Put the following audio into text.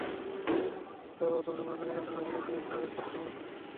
প্রতিবারের মতো এবারও তথ্য সংগ্রহকারীরা ঘরে ঘরে গিয়ে ভোটারের তথ্য সংগ্রহ করবেন।